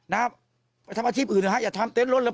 ทำอาชีพอื่นอย่าทำเต้นรถเลย